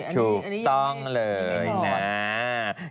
ถูกต้องเลยนะอันนี้ยังไม่ถอด